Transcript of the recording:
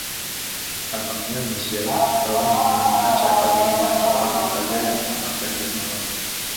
Tampaknya Michele telah menemukan siapa dirinya, seorang Italia yang congkak dan dermawan.